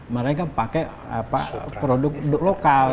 mereka pakai produk lokal